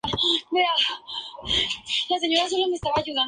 Para esos años las condiciones de vida y de trabajo eran muy difíciles.